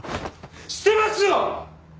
してますよ！